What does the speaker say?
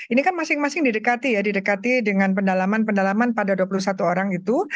ini kan masing masing didekati ya didekati dengan pendalaman pendalaman pada dua puluh satu orang itu